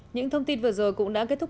những thông tin vừa rồi cũng đã kết thúc